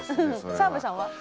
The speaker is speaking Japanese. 澤部さんは？